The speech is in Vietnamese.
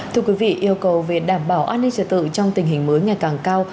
thưa quý vị yêu cầu về đảm bảo an ninh trật tự trong tình hình mới ngày càng cao